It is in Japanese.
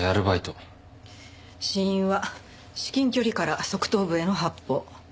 死因は至近距離から側頭部への発砲。